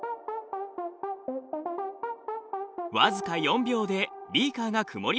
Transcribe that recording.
僅か４秒でビーカーが曇り始めました。